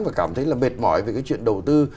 và cảm thấy là mệt mỏi về cái chuyện đầu tư